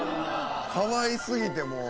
かわいすぎてもう」